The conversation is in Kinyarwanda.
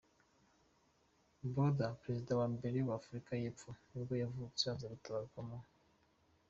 Botha, perezida wa mbere wa Afurika y’epfo nibwo yavutse, aza gutabaruka mu .